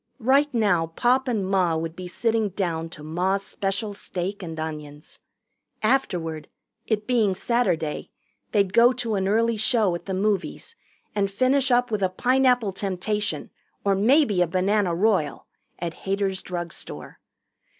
Right now Pop and Ma would be sitting down to Ma's special steak and onions. Afterward, it being Saturday, they'd go to an early show at the movies and finish up with a Pineapple Temptation or maybe a Banana Royal at Hader's drugstore.